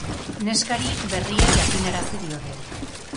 Neskari berria janarazi diote.